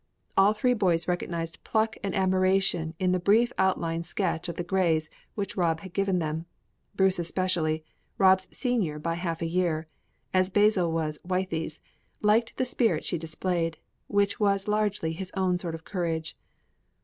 All three boys recognized pluck and admired it in the brief outline sketch of the Greys which Rob had given them. Bruce especially, Rob's senior by half a year, as Basil was Wythie's, liked the spirit which she displayed, and which was largely his own sort of courage.